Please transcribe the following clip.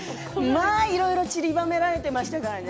まあ、いろいろちりばめられてましたからね。